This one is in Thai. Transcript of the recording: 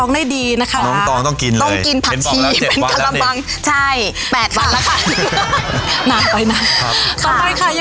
ให้ใครผมครับ